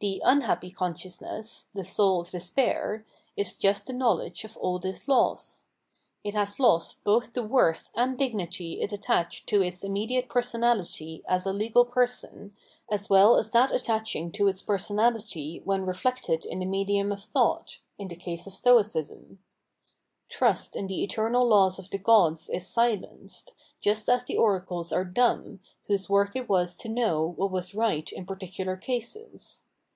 The " un happy consciousness " the soul of despair, is just the knowledge of all this loss. It has lost both the worth and dignity it attached to its immediate personality [as a legal person] as well as that attaching to its per sonality when reflected in the medium of thought [in the case of Stoicism]. Trust in the eternal laws of the Gods is silenced, just as the oracles are dumb, whose work it was to know what was right in particular cases.